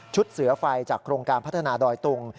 เสือไฟจากโครงการพัฒนาดอยตุง